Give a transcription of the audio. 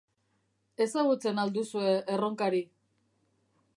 Ezagutzen al duzue Erronkari?